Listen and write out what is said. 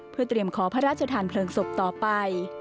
เพื่อเตรียมขอพระราชทานเพลิงศพต่อไป